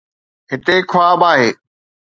هتي خواب آهي.